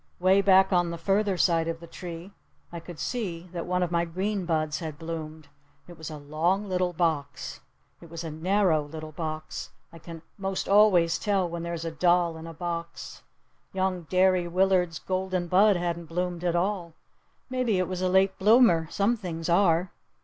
'Way back on the further side of the tree I could see that one of my green buds had bloomed. It was a long little box. It was a narrow little box. I can most always tell when there's a doll in a box. Young Derry Willard's golden bud hadn't bloomed at all. Maybe it was a late bloomer. Some things are.